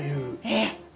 えっ！